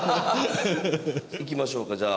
いきましょうかじゃあ。